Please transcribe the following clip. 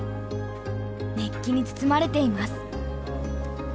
熱気に包まれています。